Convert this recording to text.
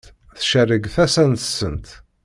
Tcerreg tasa-nsent.